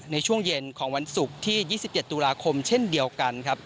ในช่วงเย็นของวันศุกร์ที่๒๗ตุลาคมเช่นเดียวกันครับ